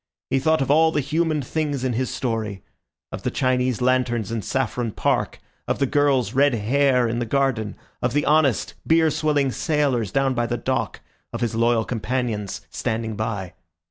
He thought of all the human things in his story—of the Chinese lanterns in Saffron Park, of the girl's red hair in the garden, of the honest, beer swilling sailors down by the dock, of his loyal companions standing by.